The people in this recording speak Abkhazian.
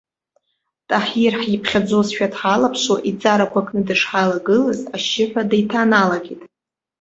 Таҳир, ҳиԥхьаӡошәа дҳалаԥшуа, иӡарақәа кны дышҳалагылаз, ашьшьыҳәа деиҭаналагеит.